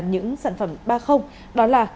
những sản phẩm ba đó là